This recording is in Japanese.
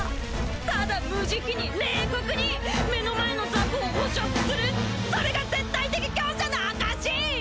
ただ無慈悲に冷酷に目の前のザコを捕食するそれが絶対的強者の証し！